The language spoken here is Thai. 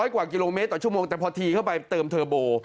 กว่ากิโลเมตรต่อชั่วโมงแต่พอทีเข้าไปเติมเทอร์โบ